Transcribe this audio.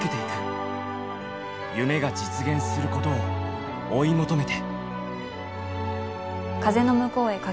夢が実現することを追い求めて。